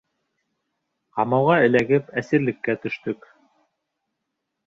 Ҡамауға эләгеп, әсирлеккә төштөк.